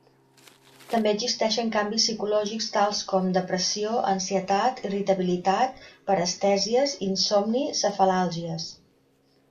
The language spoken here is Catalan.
També existeixen canvis psicològics tals com depressió, ansietat, irritabilitat, parestèsies, insomni, cefalàlgies.